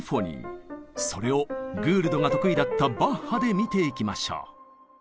それをグールドが得意だったバッハで見ていきましょう！